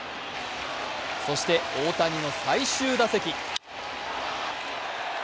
そして大谷の最終打席。